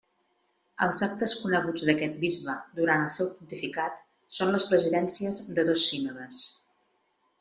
Els actes coneguts d'aquest bisbe durant el seu pontificat són les presidències de dos sínodes.